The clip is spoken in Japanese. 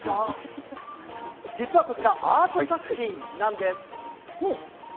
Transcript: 実はこちらアート作品なんです。